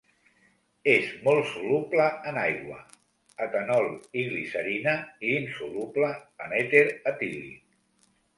És molt soluble en aigua, etanol i glicerina i insoluble en èter etílic.